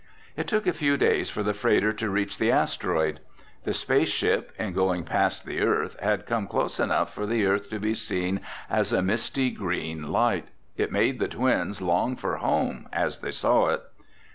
It took a few days for the freighter to reach the asteroid. The space ship, in going past the Earth, had come close enough for the Earth to be seen as a misty, green light. It made the twins long for home as they saw it.